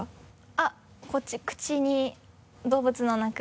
あっこっち「口」に動物の「鳴く」